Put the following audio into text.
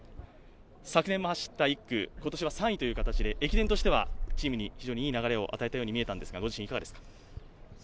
昨年も走った１区、今年は３位という形で駅伝としては非常にいい流れを与えたように見えたんですが、ご自身ではどうですか。